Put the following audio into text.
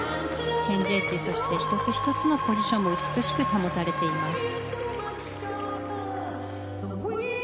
チェンジエッジ１つ１つのポジションも美しく保たれています。